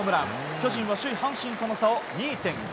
巨人は首位、阪神との差を２．５